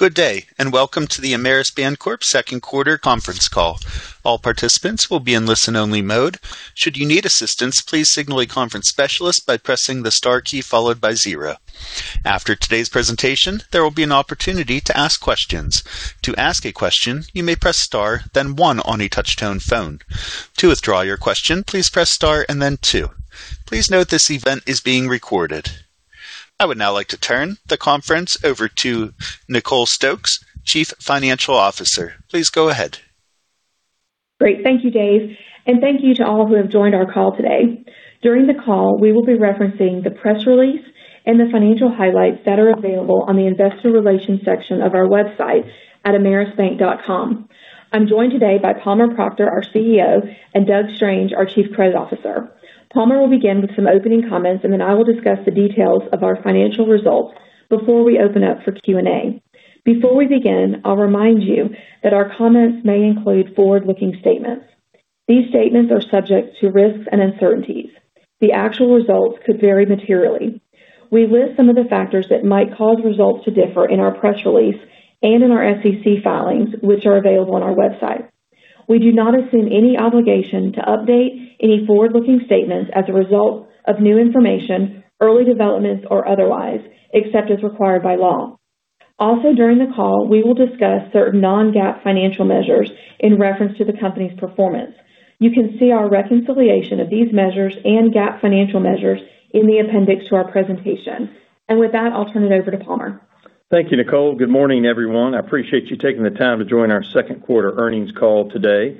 Good day, and welcome to the Ameris Bancorp second quarter conference call. All participants will be in listen-only mode. Should you need assistance, please signal a conference specialist by pressing the star key followed by zero. After today's presentation, there will be an opportunity to ask questions. To ask a question, you may press star then one on a touch-tone phone. To withdraw your question, please press star and then two. Please note this event is being recorded. I would now like to turn the conference over to Nicole Stokes, Chief Financial Officer. Please go ahead. Great. Thank you, Dave, and thank you to all who have joined our call today. During the call, we will be referencing the press release and the financial highlights that are available on the investor relations section of our website at amerisbank.com. I'm joined today by Palmer Proctor, our CEO, and Doug Strange, our Chief Credit Officer. Palmer will begin with some opening comments, then I will discuss the details of our financial results before we open up for Q&A. Before we begin, I'll remind you that our comments may include forward-looking statements. These statements are subject to risks and uncertainties. The actual results could vary materially. We list some of the factors that might cause results to differ in our press release and in our SEC filings, which are available on our website. We do not assume any obligation to update any forward-looking statements as a result of new information, early developments, or otherwise, except as required by law. Also, during the call, we will discuss certain non-GAAP financial measures in reference to the company's performance. You can see our reconciliation of these measures and GAAP financial measures in the appendix to our presentation. With that, I'll turn it over to Palmer. Thank you, Nicole. Good morning, everyone. I appreciate you taking the time to join our second quarter earnings call today.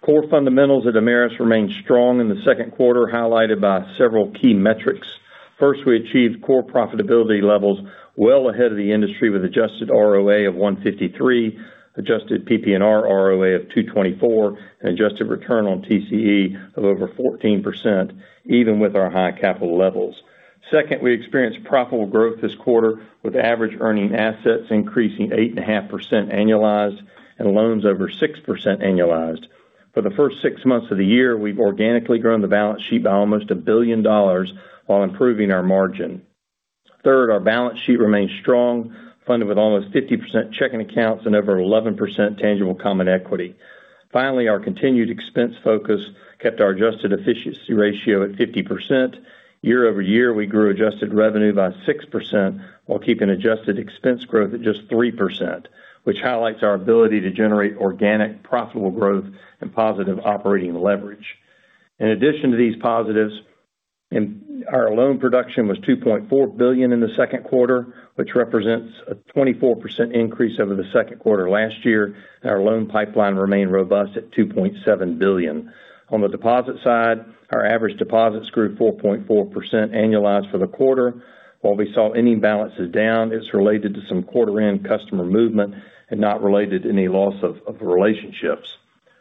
Core fundamentals at Ameris remain strong in the second quarter, highlighted by several key metrics. First, we achieved core profitability levels well ahead of the industry with adjusted ROA of 1.53%, adjusted PPNR ROA of 2.24%, and adjusted return on TCE of over 14%, even with our high capital levels. Second, we experienced profitable growth this quarter with average earning assets increasing 8.5% annualized and loans over 6% annualized. For the first six months of the year, we've organically grown the balance sheet by almost $1 billion while improving our margin. Third, our balance sheet remains strong, funded with almost 50% checking accounts and over 11% tangible common equity. Our continued expense focus kept our adjusted efficiency ratio at 50%. Year-over-year, we grew adjusted revenue by 6% while keeping adjusted expense growth at just 3%, which highlights our ability to generate organic, profitable growth and positive operating leverage. In addition to these positives, our loan production was $2.4 billion in the second quarter, which represents a 24% increase over the second quarter last year, and our loan pipeline remained robust at $2.7 billion. On the deposit side, our average deposits grew 4.4% annualized for the quarter. While we saw ending balances down, it was related to some quarter-end customer movement and not related to any loss of relationships.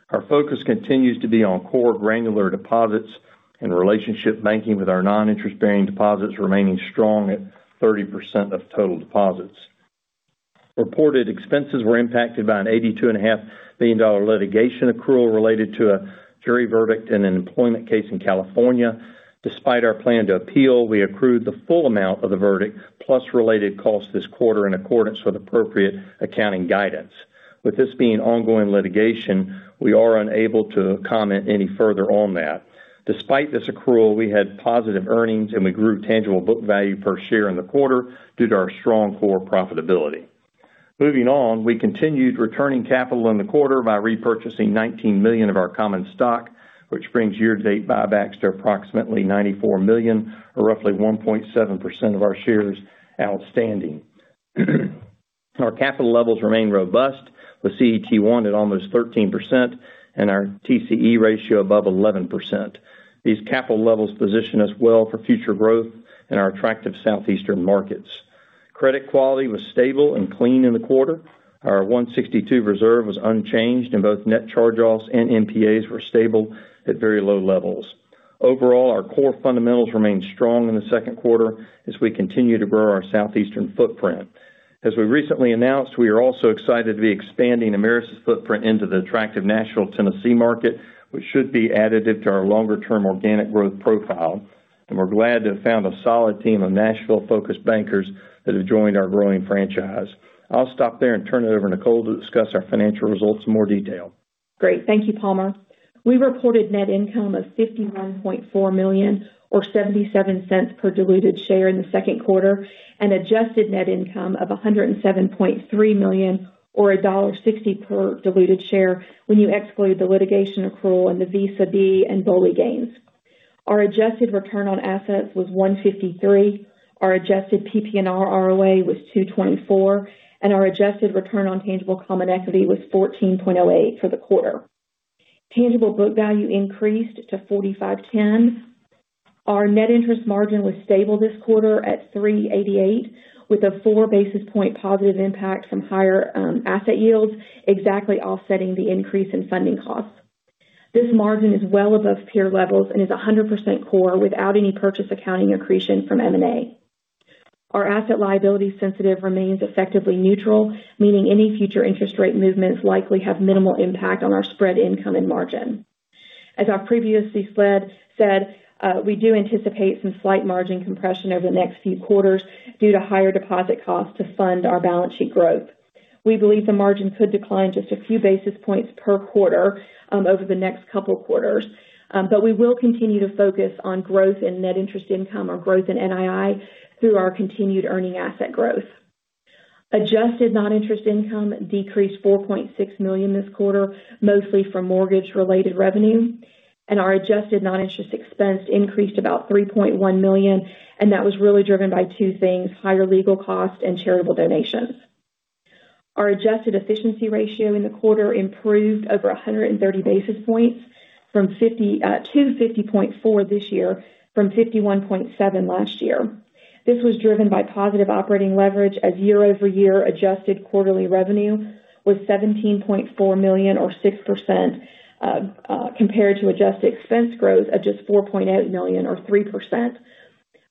Our focus continues to be on core granular deposits and relationship banking with our non-interest-bearing deposits remaining strong at 30% of total deposits. Reported expenses were impacted by an $82.5 million litigation accrual related to a jury verdict in an employment case in California. Despite our plan to appeal, we accrued the full amount of the verdict, plus related costs this quarter in accordance with appropriate accounting guidance. With this being ongoing litigation, we are unable to comment any further on that. Despite this accrual, we had positive earnings, and we grew tangible book value per share in the quarter due to our strong core profitability. Moving on, we continued returning capital in the quarter by repurchasing $19 million of our common stock, which brings year-to-date buybacks to approximately $94 million, or roughly 1.7% of our shares outstanding. Our capital levels remain robust, with CET1 at almost 13% and our TCE ratio above 11%. These capital levels position us well for future growth in our attractive southeastern markets. Credit quality was stable and clean in the quarter. Our 162 reserve was unchanged, and both net charge-offs and NPAs were stable at very low levels. Overall, our core fundamentals remained strong in the second quarter as we continue to grow our southeastern footprint. As we recently announced, we are also excited to be expanding Ameris' footprint into the attractive Nashville, Tennessee market, which should be additive to our longer-term organic growth profile. We're glad to have found a solid team of Nashville-focused bankers that have joined our growing franchise. I'll stop there and turn it over to Nicole to discuss our financial results in more detail. Great. Thank you, Palmer. We reported net income of $51.4 million or $0.77 per diluted share in the second quarter and adjusted net income of $107.3 million or $1.60 per diluted share when you exclude the litigation accrual and the VISA B and BOLI gains. Our adjusted return on assets was 1.53%. Our adjusted PPNR ROA was 2.24%, and our adjusted return on tangible common equity was 14.08% for the quarter. Tangible book value increased to $45.10. Our net interest margin was stable this quarter at 3.88%, with a 4 basis point positive impact from higher asset yields exactly offsetting the increase in funding costs. This margin is well above peer levels and is 100% core without any purchase accounting accretion from M&A. Our asset liability sensitive remains effectively neutral, meaning any future interest rate movements likely have minimal impact on our spread income and margin. As I previously said, we do anticipate some slight margin compression over the next few quarters due to higher deposit costs to fund our balance sheet growth. We believe the margin could decline just a few basis points per quarter over the next couple quarters. We will continue to focus on growth in net interest income or growth in NII through our continued earning asset growth. Adjusted non-interest income decreased $4.6 million this quarter, mostly from mortgage related revenue. Our adjusted non-interest expense increased about $3.1 million, and that was really driven by two things, higher legal costs and charitable donations. Our adjusted efficiency ratio in the quarter improved over 130 basis points, to 50.4% this year from 51.7% last year. This was driven by positive operating leverage as year-over-year adjusted quarterly revenue was $17.4 million or 6%, compared to adjusted expense growth of just $4.8 million or 3%.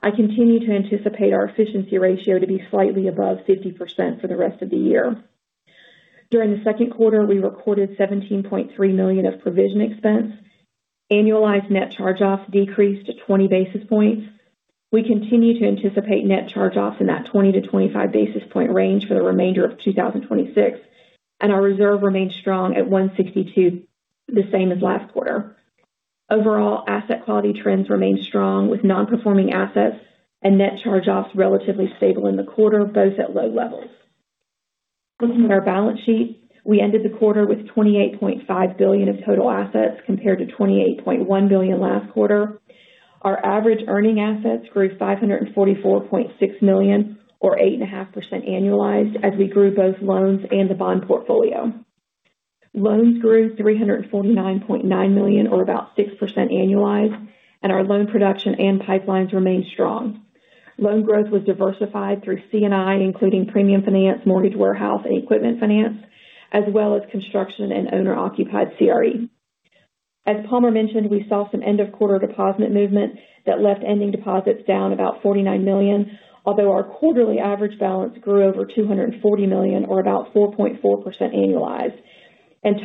I continue to anticipate our efficiency ratio to be slightly above 50% for the rest of the year. During the second quarter, we recorded $17.3 million of provision expense. Annualized net charge-offs decreased to 20 basis points. We continue to anticipate net charge-offs in that 20-25 basis point range for the remainder of 2026. Our reserve remains strong at 162, the same as last quarter. Overall, asset quality trends remain strong with non-performing assets and net charge-offs relatively stable in the quarter, both at low levels. Looking at our balance sheet, we ended the quarter with $28.5 billion of total assets compared to $28.1 billion last quarter. Our average earning assets grew $544.6 million or 8.5% annualized as we grew both loans and the bond portfolio. Loans grew $349.9 million or about 6% annualized. Our loan production and pipelines remain strong. Loan growth was diversified through C&I, including premium finance, mortgage warehouse, and equipment finance, as well as construction and owner-occupied CRE. As Palmer mentioned, we saw some end-of-quarter deposit movement that left ending deposits down about $49 million, although our quarterly average balance grew over $240 million or about 4.4% annualized.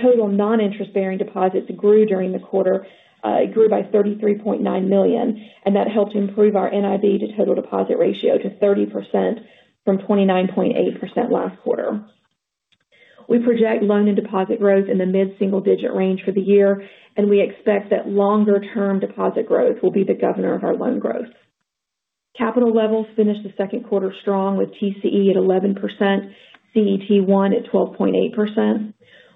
Total non-interest-bearing deposits grew during the quarter, it grew by $33.9 million, and that helped improve our NIB to total deposit ratio to 30% from 29.8% last quarter. We project loan and deposit growth in the mid-single digit range for the year, and we expect that longer-term deposit growth will be the governor of our loan growth. Capital levels finished the second quarter strong with TCE at 11%, CET1 at 12.8%.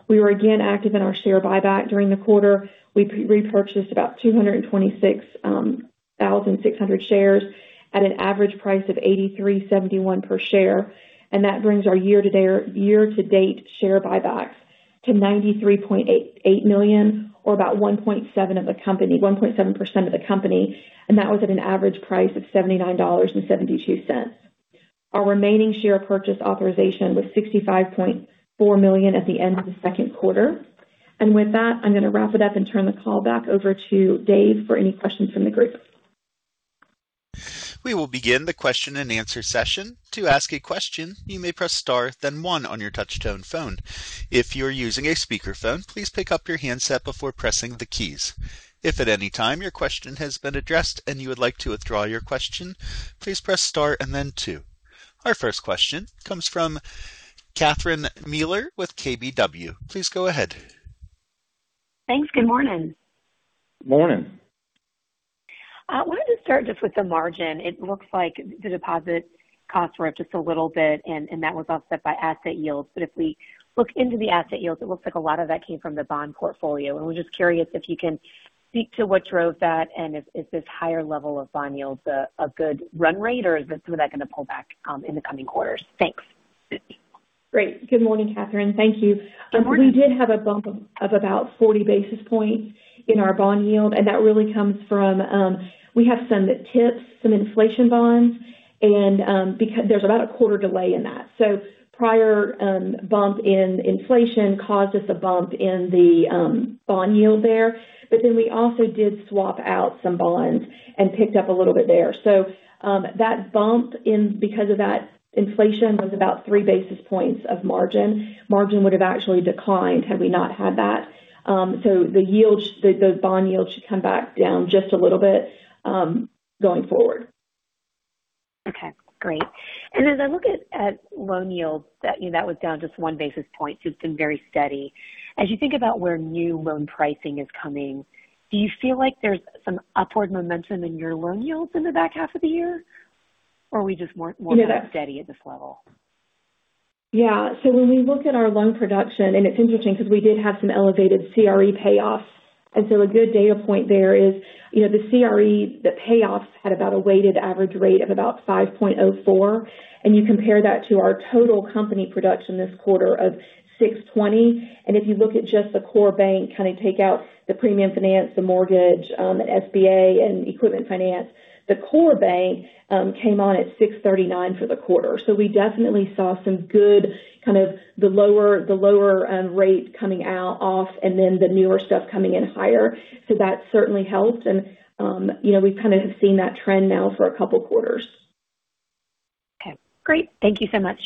We were again active in our share buyback during the quarter. We repurchased about 226,600 shares at an average price of $83.71 per share, and that brings our year-to-date share buybacks to $93.8 million or about 1.7% of the company, and that was at an average price of $79.72. Our remaining share purchase authorization was $65.4 million at the end of the second quarter. With that, I'm going to wrap it up and turn the call back over to Dave for any questions from the group. We will begin the question and answer session. To ask a question, you may press star then one on your touchtone phone. If you are using a speakerphone, please pick up your handset before pressing the keys. If at any time your question has been addressed and you would like to withdraw your question, please press star and then two. Our first question comes from Catherine Mealor with KBW. Please go ahead. Thanks. Good morning. Morning. I wanted to start just with the margin. It looks like the deposit costs were up just a little bit. That was offset by asset yields. If we look into the asset yields, it looks like a lot of that came from the bond portfolio. We're just curious if you can speak to what drove that, if this higher level of bond yield is a good run rate, or is some of that going to pull back in the coming quarters? Thanks. Great. Good morning, Catherine. Thank you. Good morning. We did have a bump of about 40 basis points in our bond yield, that really comes from, we have some TIPS, some inflation bonds, because there's about a quarter delay in that. Prior bump in inflation caused us a bump in the bond yield there. We also did swap out some bonds and picked up a little bit there. That bump because of that inflation was about three basis points of margin. Margin would have actually declined had we not had that. The bond yield should come back down just a little bit, going forward. Okay, great. As I look at loan yields, that was down just one basis point, so it's been very steady. As you think about where new loan pricing is coming, do you feel like there's some upward momentum in your loan yields in the back half of the year? Or are we just more steady at this level? Yeah. When we look at our loan production, it's interesting because we did have some elevated CRE payoffs. A good data point there is the CRE, the payoffs had about a weighted average rate of about 5.04%. You compare that to our total company production this quarter of 6.20%. If you look at just the core bank, kind of take out the premium finance, the mortgage, the SBA, and equipment finance, the core bank came on at 6.39% for the quarter. We definitely saw some good kind of the lower rate coming off and then the newer stuff coming in higher. That certainly helped. We kind of have seen that trend now for a couple quarters. Okay, great. Thank you so much.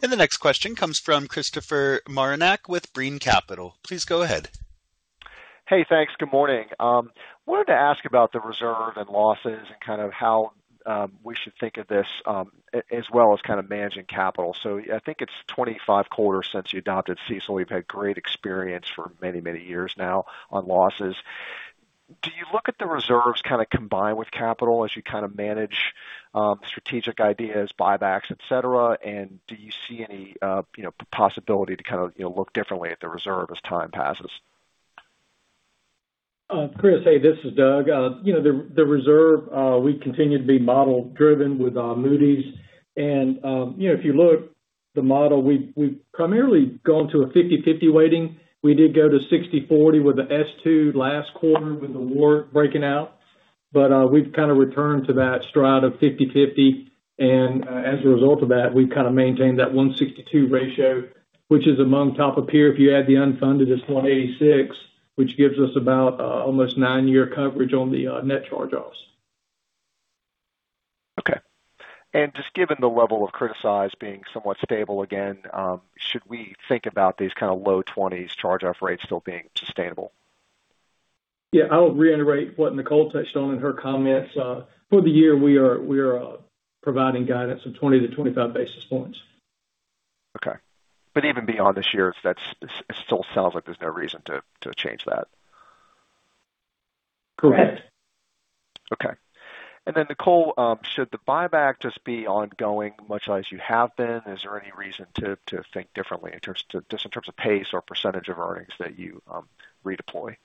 The next question comes from Christopher Marinac with Brean Capital. Please go ahead. Hey, thanks. Good morning. Wanted to ask about the reserve and losses and how we should think of this as well as managing capital. I think it's 25 quarters since you adopted CECL. You've had great experience for many, many years now on losses. Do you look at the reserves kind of combined with capital as you kind of manage strategic ideas, buybacks, et cetera? Do you see any possibility to look differently at the reserve as time passes? Chris, hey, this is Doug. The reserve, we continue to be model driven with Moody's. If you look at the model, we've primarily gone to a 50/50 weighting. We did go to 60/40 with the S2 last quarter with the war breaking out. We've kind of returned to that stride of 50/50, and as a result of that, we've kind of maintained that 1.62% ratio, which is among top of peer. If you add the unfunded, it's 1.86%, which gives us about almost nine-year coverage on the net charge-offs. Okay. Just given the level of criticized being somewhat stable again, should we think about these low 20s charge-off rates still being sustainable? Yeah, I'll reiterate what Nicole touched on in her comments. For the year, we are providing guidance of 20-25 basis points. Okay. Even beyond this year, it still sounds like there's no reason to change that. Correct. Okay. Then Nicole, should the buyback just be ongoing much as you have been? Is there any reason to think differently in terms of pace or percentage of earnings that you redeploy?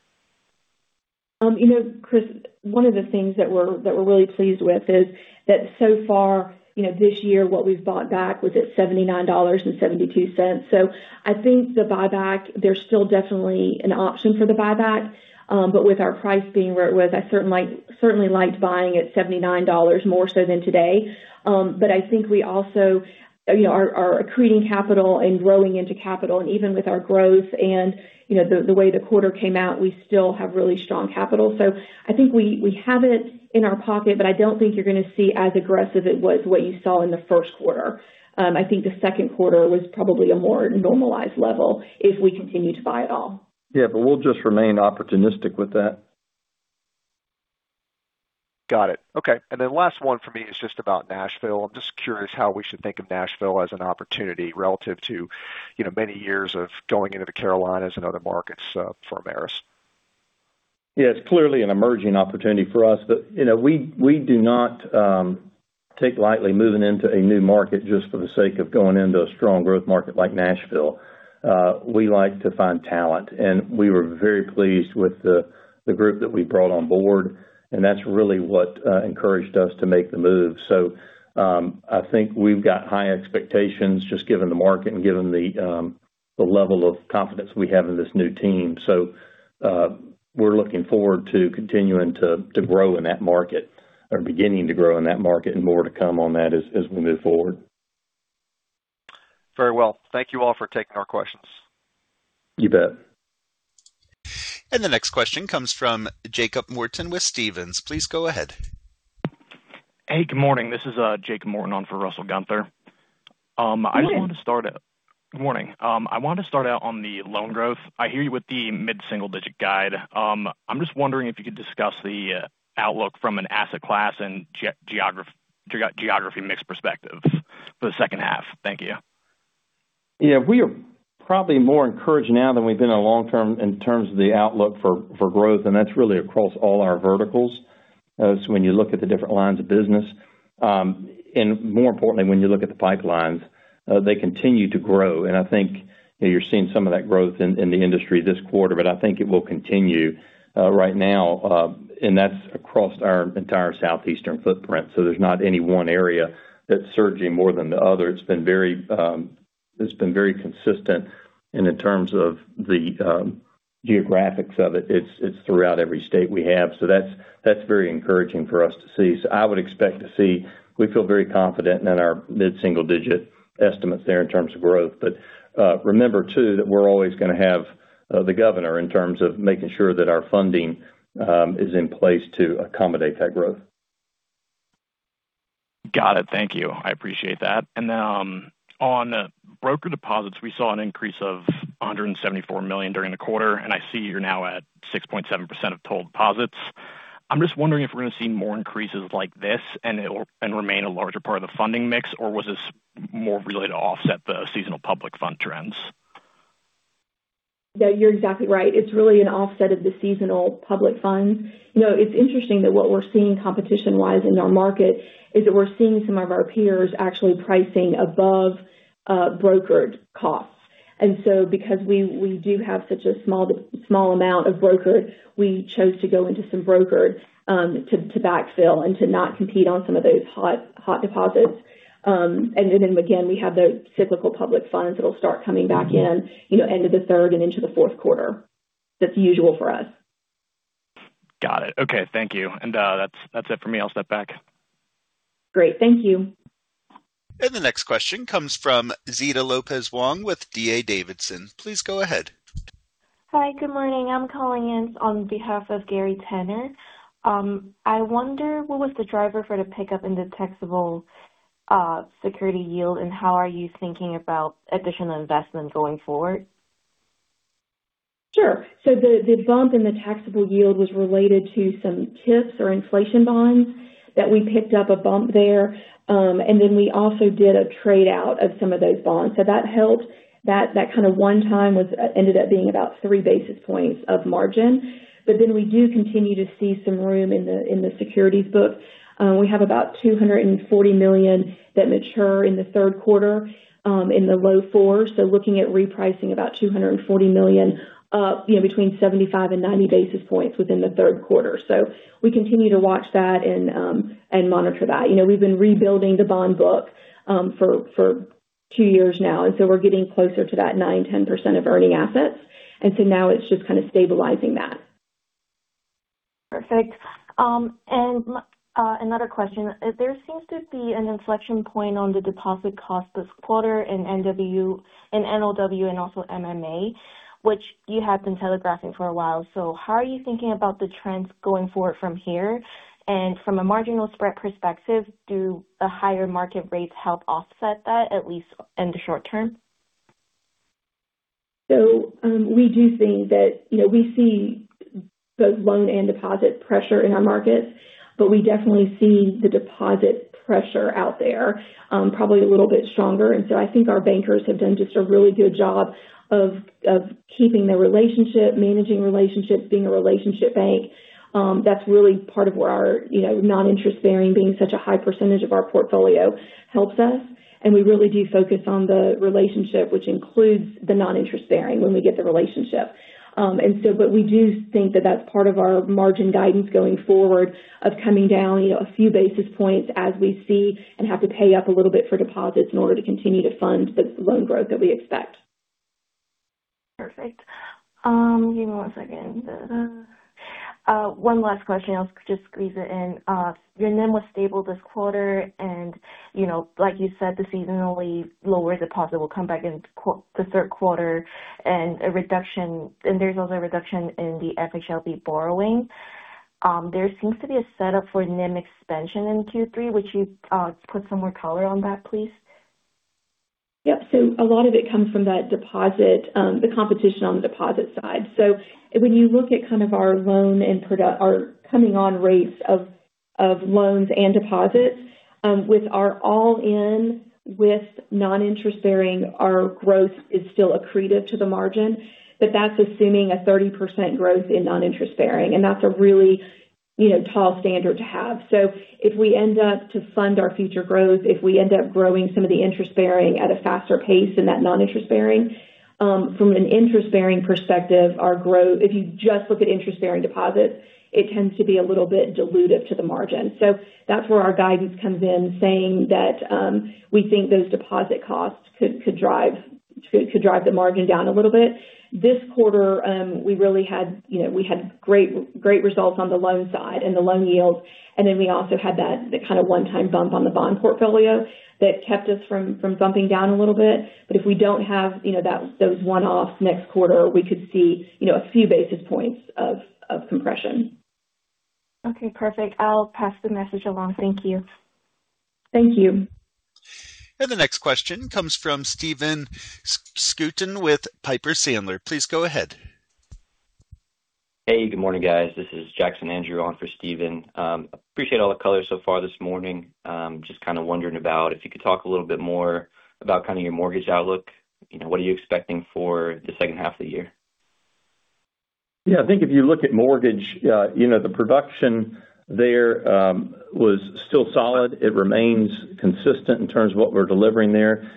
Chris, one of the things that we're really pleased with is that so far this year, what we've bought back was at $79.72. I think the buyback, there's still definitely an option for the buyback. With our price being where it was, I certainly liked buying at $79 more so than today. I think we also are accreting capital and growing into capital. Even with our growth and the way the quarter came out, we still have really strong capital. I think we have it in our pocket, but I don't think you're going to see as aggressive as what you saw in the first quarter. I think the second quarter was probably a more normalized level if we continue to buy at all. Yeah, we'll just remain opportunistic with that. Got it. Okay. Last one for me is just about Nashville. I'm just curious how we should think of Nashville as an opportunity relative to many years of going into the Carolinas and other markets for Ameris. Yeah, it's clearly an emerging opportunity for us. We do not take lightly moving into a new market just for the sake of going into a strong growth market like Nashville. We like to find talent, and we were very pleased with the group that we brought on board, and that's really what encouraged us to make the move. I think we've got high expectations just given the market and given the level of confidence we have in this new team. We're looking forward to continuing to grow in that market or beginning to grow in that market and more to come on that as we move forward. Very well. Thank you all for taking our questions. You bet. The next question comes from Jacob Morton with Stephens. Please go ahead. Hey, good morning. This is Jacob Morton on for Russell Gunther. Good morning. Good morning. I wanted to start out on the loan growth. I hear you with the mid-single digit guide. I am just wondering if you could discuss the outlook from an asset class and geography mix perspective for the second half. Thank you. We are probably more encouraged now than we've been in long-term in terms of the outlook for growth, and that's really across all our verticals. When you look at the different lines of business, and more importantly, when you look at the pipelines, they continue to grow. I think you're seeing some of that growth in the industry this quarter, but I think it will continue right now. That's across our entire southeastern footprint. There's not any one area that's surging more than the other. It's been very consistent. In terms of the geographics of it's throughout every state we have. That's very encouraging for us to see. I would expect to see, we feel very confident in our mid-single digit estimates there in terms of growth. Remember too, that we're always going to have the governor in terms of making sure that our funding is in place to accommodate that growth. Got it. Thank you. I appreciate that. On broker deposits, we saw an increase of $174 million during the quarter, and I see you're now at 6.7% of total deposits. I'm just wondering if we're going to see more increases like this and it will remain a larger part of the funding mix, or was this more really to offset the seasonal public fund trends? No, you're exactly right. It's really an offset of the seasonal public funds. It's interesting that what we're seeing competition-wise in our market is that we're seeing some of our peers actually pricing above brokered costs. Because we do have such a small amount of brokered, we chose to go into some brokered to backfill and to not compete on some of those hot deposits. Again, we have those cyclical public funds that'll start coming back in end of the third and into the fourth quarter. That's usual for us. Got it. Okay. Thank you. That's it for me. I'll step back. Great. Thank you. The next question comes from Zita Lopez Wong with D.A. Davidson. Please go ahead. Hi, good morning. I'm calling in on behalf of Gary Tenner. I wonder what was the driver for the pickup in the taxable security yield, and how are you thinking about additional investment going forward? Sure. The bump in the taxable yield was related to some TIPS or inflation bonds that we picked up a bump there. We also did a trade-out of some of those bonds. That helped. That one time ended up being about three basis points of margin. We do continue to see some room in the securities book. We have about $240 million that mature in the third quarter, in the low fours. Looking at repricing about $240 million up between 75 and 90 basis points within the third quarter. We continue to watch that and monitor that. We've been rebuilding the bond book for two years now, we're getting closer to that 9%, 10% of earning assets. Now it's just kind of stabilizing that. Perfect. Another question. There seems to be an inflection point on the deposit cost this quarter in NOW and also MMA, which you have been telegraphing for a while. How are you thinking about the trends going forward from here? From a marginal spread perspective, do the higher market rates help offset that, at least in the short term? We do see both loan and deposit pressure in our markets. We definitely see the deposit pressure out there probably a little bit stronger. I think our bankers have done just a really good job of keeping the relationship, managing relationships, being a relationship bank. That's really part of where our non-interest bearing being such a high percentage of our portfolio helps us, and we really do focus on the relationship, which includes the non-interest bearing when we get the relationship. We do think that that's part of our margin guidance going forward of coming down a few basis points as we see and have to pay up a little bit for deposits in order to continue to fund the loan growth that we expect. Perfect. Give me one second. One last question, I'll just squeeze it in. Your NIM was stable this quarter. Like you said, the seasonally lower deposit will come back in the third quarter. There's also a reduction in the FHLB borrowing. There seems to be a setup for NIM expansion in Q3. Would you put some more color on that, please? Yep. A lot of it comes from the competition on the deposit side. When you look at our coming on rates of loans and deposits with our all-in with non-interest bearing, our growth is still accretive to the margin. That's assuming a 30% growth in non-interest bearing, and that's a really tall standard to have. If we end up to fund our future growth, if we end up growing some of the interest bearing at a faster pace than that non-interest bearing, from an interest- bearing perspective, our growth, if you just look at interest-bearing deposits, it tends to be a little bit dilutive to the margin. That's where our guidance comes in, saying that we think those deposit costs could drive the margin down a little bit. This quarter, we had great results on the loan side and the loan yields. We also had that one-time bump on the bond portfolio that kept us from bumping down a little bit. If we don't have those one-offs next quarter, we could see a few basis points of compression. Okay, perfect. I'll pass the message along. Thank you. Thank you. The next question comes from Stephen Scouten with Piper Sandler. Please go ahead. Hey, good morning, guys. This is Jackson Andrew on for Stephen. Appreciate all the color so far this morning. Just kind of wondering about if you could talk a little bit more about your mortgage outlook. What are you expecting for the second half of the year? Yeah, I think if you look at mortgage, the production there was still solid. It remains consistent in terms of what we're delivering there.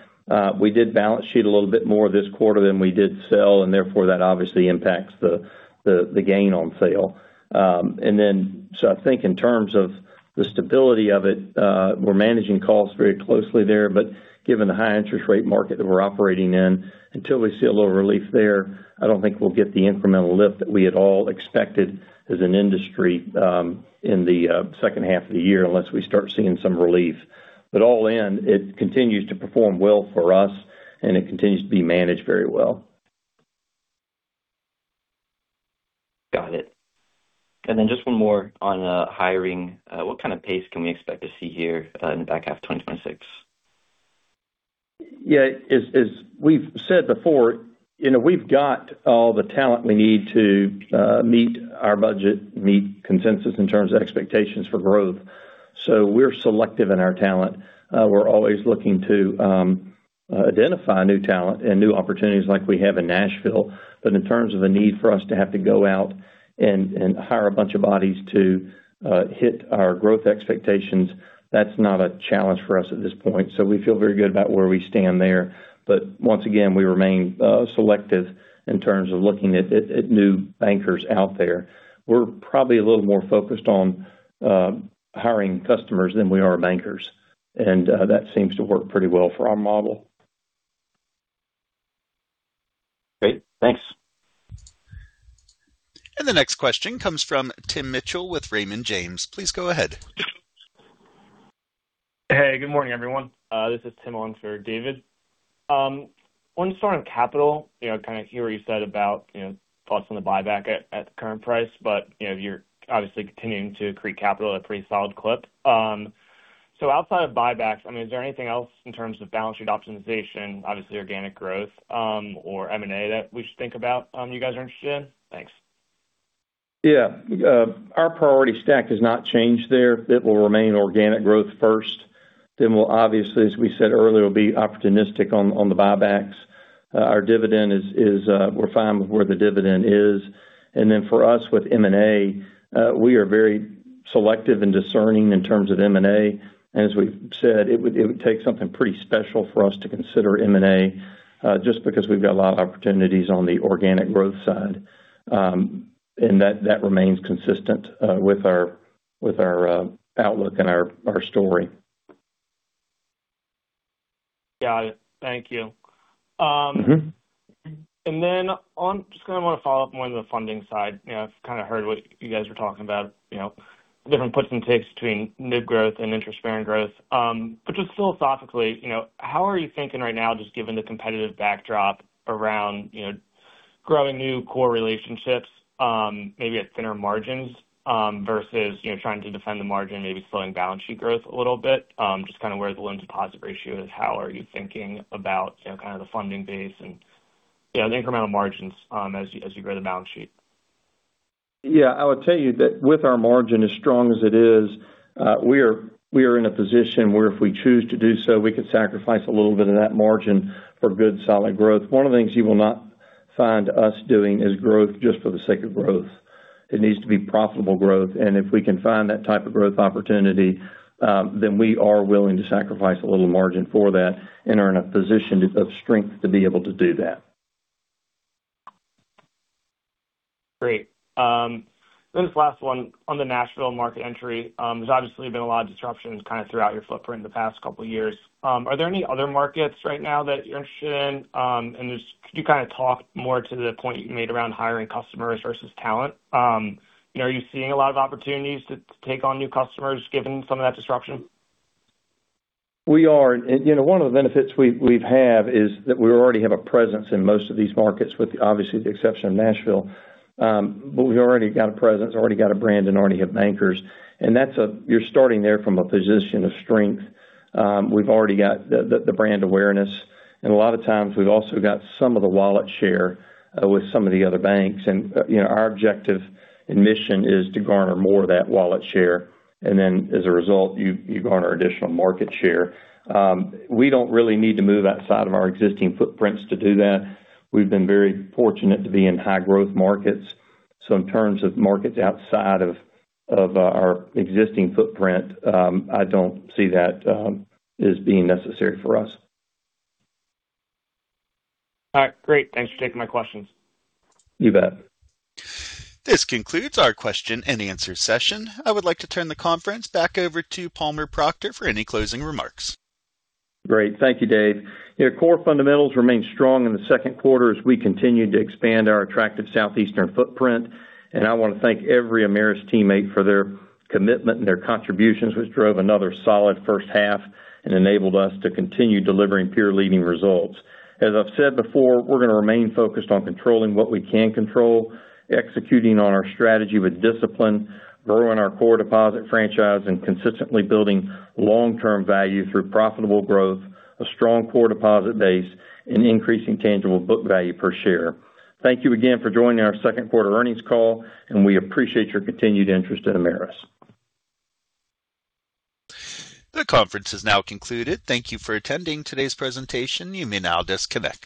We did balance sheet a little bit more this quarter than we did sell, therefore, that obviously impacts the gain on sale. I think in terms of the stability of it, we're managing calls very closely there, but given the high interest rate market that we're operating in, until we see a little relief there, I don't think we'll get the incremental lift that we had all expected as an industry in the second half of the year unless we start seeing some relief. All in, it continues to perform well for us, and it continues to be managed very well. Got it. Then just one more on hiring. What kind of pace can we expect to see here in the back half of 2026? Yeah. As we've said before, we've got all the talent we need to meet our budget, meet consensus in terms of expectations for growth. We're selective in our talent. We're always looking to identify new talent and new opportunities like we have in Nashville. In terms of a need for us to have to go out and hire a bunch of bodies to hit our growth expectations, that's not a challenge for us at this point. We feel very good about where we stand there. Once again, we remain selective in terms of looking at new bankers out there. We're probably a little more focused on hiring customers than we are bankers, and that seems to work pretty well for our model. Great. Thanks. The next question comes from Tim Mitchell with Raymond James. Please go ahead. Hey, good morning, everyone. This is Tim on for David. On the start of capital, I hear what you said about thoughts on the buyback at the current price, but you're obviously continuing to accrete capital at a pretty solid clip. Outside of buybacks, is there anything else in terms of balance sheet optimization, obviously organic growth, or M&A that we should think about you guys are interested in? Thanks. Yeah. Our priority stack has not changed there. It will remain organic growth first, then we'll obviously, as we said earlier, we'll be opportunistic on the buybacks. Our dividend is, we're fine with where the dividend is. For us with M&A, we are very selective and discerning in terms of M&A. As we've said, it would take something pretty special for us to consider M&A, just because we've got a lot of opportunities on the organic growth side. That remains consistent with our outlook and our story. Got it. Thank you. I'm just going to want to follow up more on the funding side. I've kind of heard what you guys were talking about, the different puts and takes between new growth and interest-bearing growth. Philosophically, how are you thinking right now, just given the competitive backdrop around growing new core relationships, maybe at thinner margins, versus trying to defend the margin, maybe slowing balance sheet growth a little bit? Just kind of where the loan deposit ratio is, how are you thinking about the funding base and the incremental margins as you grow the balance sheet? I would tell you that with our margin as strong as it is, we are in a position where if we choose to do so, we could sacrifice a little bit of that margin for good, solid growth. One of the things you will not find us doing is growth just for the sake of growth. It needs to be profitable growth, and if we can find that type of growth opportunity, then we are willing to sacrifice a little margin for that and are in a position of strength to be able to do that. Great. This last one on the Nashville market entry. There's obviously been a lot of disruptions kind of throughout your footprint in the past couple of years. Are there any other markets right now that you're interested in? Could you kind of talk more to the point you made around hiring customers versus talent? Are you seeing a lot of opportunities to take on new customers given some of that disruption? We are. One of the benefits we've had is that we already have a presence in most of these markets with obviously the exception of Nashville. We've already got a presence, already got a brand, and already have bankers. You're starting there from a position of strength. We've already got the brand awareness, and a lot of times we've also got some of the wallet share with some of the other banks. Our objective and mission is to garner more of that wallet share, as a result, you garner additional market share. We don't really need to move outside of our existing footprints to do that. We've been very fortunate to be in high growth markets. In terms of markets outside of our existing footprint, I don't see that as being necessary for us. All right. Great. Thanks for taking my questions. You bet. This concludes our question and answer session. I would like to turn the conference back over to Palmer Proctor for any closing remarks. Great. Thank you, Dave. Core fundamentals remain strong in the second quarter as we continue to expand our attractive southeastern footprint. I want to thank every Ameris teammate for their commitment and their contributions, which drove another solid first half and enabled us to continue delivering peer-leading results. As I've said before, we're going to remain focused on controlling what we can control, executing on our strategy with discipline, growing our core deposit franchise, and consistently building long-term value through profitable growth, a strong core deposit base, and increasing tangible book value per share. Thank you again for joining our second quarter earnings call, and we appreciate your continued interest in Ameris. The conference has now concluded. Thank you for attending today's presentation. You may now disconnect.